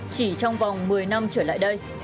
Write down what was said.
chỉ trong vòng một mươi năm trở lại đây